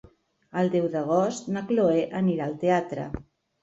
El deu d'agost na Chloé anirà al teatre.